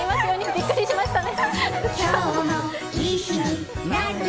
びっくりしましたね。